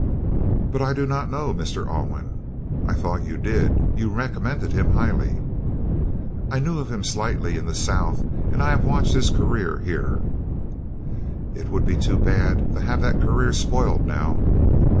"But I do not know Mr. Alwyn." "I thought you did; you recommended him highly." "I knew of him slightly in the South and I have watched his career here." "It would be too bad to have that career spoiled now."